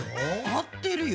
合ってるよ。